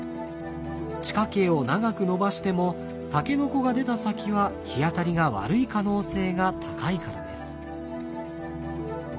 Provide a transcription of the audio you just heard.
地下茎を長く伸ばしてもタケノコが出た先は日当たりが悪い可能性が高いからです。